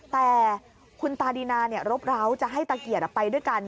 แต่คุณตาดีนารบร้าวจะให้ตะเกียจไปด้วยกัน